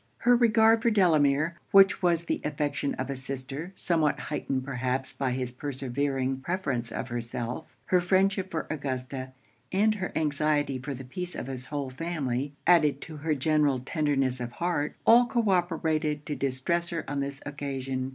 Her regard for Delamere, which was the affection of a sister somewhat heightened perhaps by his persevering preference of herself, her friendship for Augusta, and her anxiety for the peace of his whole family, added to her general tenderness of heart, all co operated to distress her on this occasion.